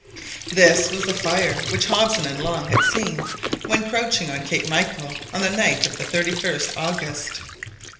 This was the fire which Hobson and Long had seen when crouching on Cape Michael on the night of the 31st August.